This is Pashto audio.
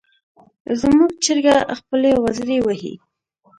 زموږ چرګه خپلې وزرې وهي.